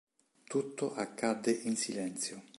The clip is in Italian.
Tutto accade in silenzio.